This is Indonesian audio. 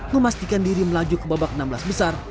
memastikan diri melaju ke babak enam belas besar